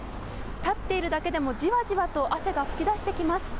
立っているだけでもじわじわと汗が噴き出してきます。